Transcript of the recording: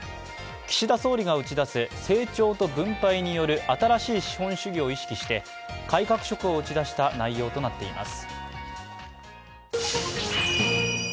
岸田総理が打ち出す成長と分配による新しい資本主義を意識して改革色を打ち出した内容となっています。